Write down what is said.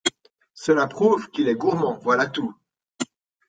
Cela prouve qu’il est gourmand, voilà tout…